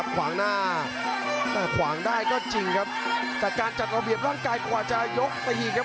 ขวางหน้าแต่ขวางได้ก็จริงครับแต่การจัดระเบียบร่างกายกว่าจะยกตีครับ